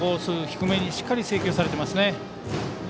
低めにしっかり制球されてますね。